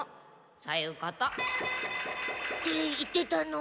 そういうこと。って言ってたの。